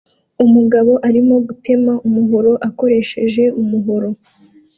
Umugabo arimo gutema umuhoro akoresheje umuhoro